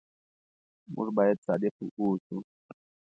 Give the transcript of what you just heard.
موږ بايد صادق اوسو.